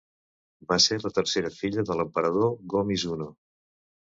Va ser la tercera filla de l'emperador Go-Mizunoo.